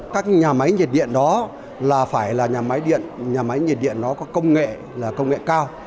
các nhà máy nhiệt điện đó là phải là nhà máy điện nhà máy nhiệt điện nó có công nghệ là công nghệ cao